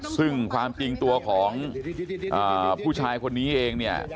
ซึ่งความจริงตัวของผู้ชายคนนี้เองเนี่ย